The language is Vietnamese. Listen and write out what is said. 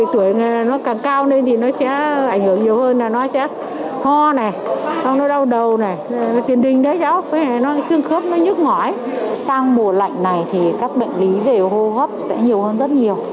trên vùng khói sang mùa lạnh này các bệnh lý về hô hấp sẽ nhiều hơn rất nhiều